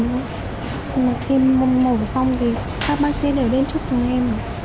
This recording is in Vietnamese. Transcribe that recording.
nhưng mà khi mổ xong thì các bác sĩ đều đến chúc cho em